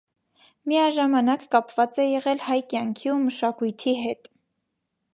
Միաժամանակ կապված է եղել հայ կյանքի ու մշակույթի հետ։